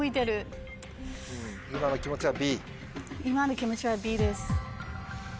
今の気持ちはＢ。